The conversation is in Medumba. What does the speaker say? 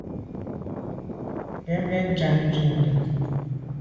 Mbèn mbèn njam ntsho ndà.